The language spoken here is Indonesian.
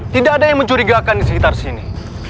tidak ada yang mencurigakan di sekitar sini